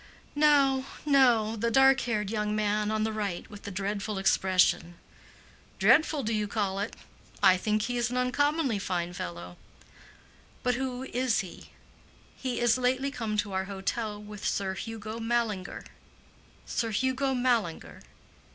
"No, no; the dark haired young man on the right with the dreadful expression." "Dreadful, do you call it? I think he is an uncommonly fine fellow." "But who is he?" "He is lately come to our hotel with Sir Hugo Mallinger." "Sir Hugo Mallinger?"